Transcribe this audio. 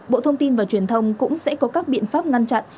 bộ thông tin và truyền thông cũng sẽ có các biện pháp ngăn chặn